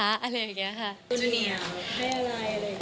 ทุโนินเนียวให้อะไร